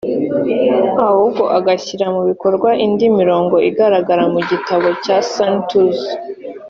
ahubwo agashyira mu bikorwa indi mirongo igaragara mu gitabo cya Sun Tzu